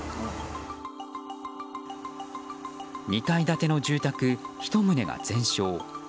２階建ての住宅１棟が全焼。